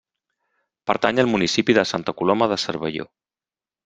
Pertany al municipi de Santa Coloma de Cervelló.